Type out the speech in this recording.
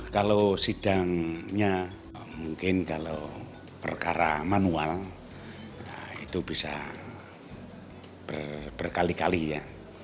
kalau sidangnya mungkin kalau perkara manual itu bisa berkali kali ya